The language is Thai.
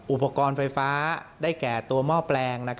อุปกรณ์ไฟฟ้าได้แก่ตัวหม้อแปลง